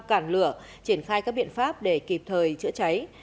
cản lửa triển khai các biện pháp để kịp thời chữa cháy